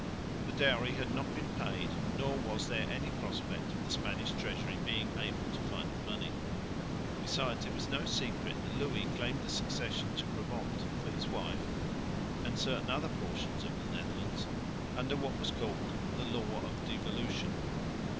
The dowry had not been paid nor was there any prospect of the Spanish treasury being able to find the money. Besides it was no secret that Louis claimed the succession to Brabant for his wife and certain other portions of the Netherlands under what was called the Law of Devolution.